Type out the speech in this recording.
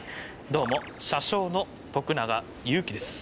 どうも車掌の徳永ゆうきです。